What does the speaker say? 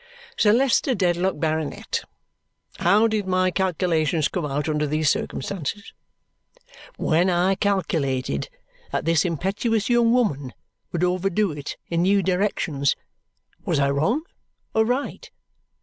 "Sir Leicester Dedlock, Baronet, how did my calculations come out under these circumstances? When I calculated that this impetuous young woman would overdo it in new directions, was I wrong or right?